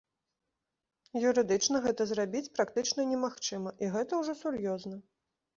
Юрыдычна гэта зрабіць практычна немагчыма, і гэта ўжо сур'ёзна.